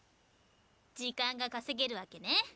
時間が稼げるわけね。